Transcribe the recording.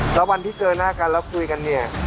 และวันที่เจอหน้ากันและคุยกัน